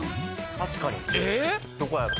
確かにどこやろ？